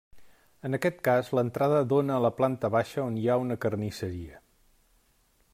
En aquest cas, l’entrada dóna a la planta baixa on hi ha una carnisseria.